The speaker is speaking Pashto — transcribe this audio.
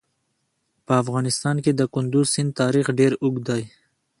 په افغانستان کې د کندز سیند تاریخ ډېر اوږد دی.